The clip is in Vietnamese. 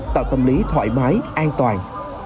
tạo tâm lý thoải mái an toàn